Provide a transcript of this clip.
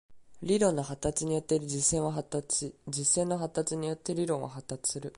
理論の発達によって実践は発達し、実践の発達によって理論は発達する。